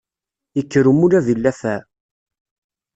Ikker umulab i llafaɛ.